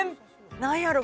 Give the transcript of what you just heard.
何やろ？